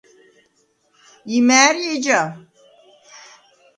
იმ’ა̄̈რი ეჯა?